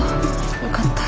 よかった。